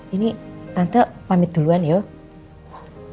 ini tante pamit duluan ya